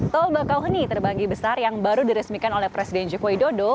tol bakauheni terbanggi besar yang baru diresmikan oleh presiden joko widodo